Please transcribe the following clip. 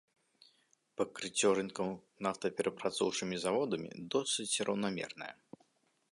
Пакрыццё рынкаў нафтаперапрацоўчымі заводамі досыць раўнамернае.